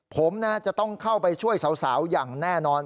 ผมจะต้องเข้าไปช่วยสาวอย่างแน่นอน